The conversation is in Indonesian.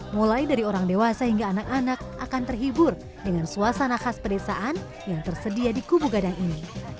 mulai dari orang dewasa hingga anak anak akan terhibur dengan suasana khas pedesaan yang tersedia di kubu gadang ini